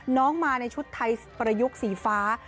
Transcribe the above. น้องมาในชุดไทยประยุกต์สีฟ้า